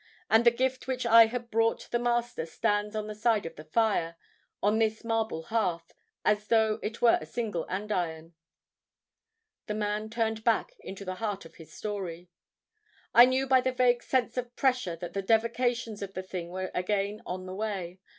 And the gift which I had brought the Master stands on one side of the fire, on this marble hearth, as though it were a single andiron." The man turned back into the heart of his story. "I knew by the vague sense of pressure that the devocations of the thing were again on the way.